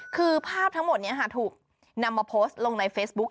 คือภาพทั้งหมดนี้ถูกนำมาโพสต์ลงในเฟซบุ๊ค